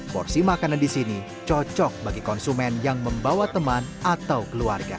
porsi makanan di sini cocok bagi konsumen yang membawa teman atau keluarga